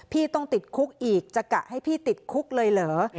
พี่ต้องติดคุกอีกจะกะให้พี่ติดคุกเลยเหรอ